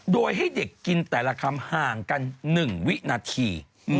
โดยให้เด็กกินแต่ละคำห่างกัน๑วินาที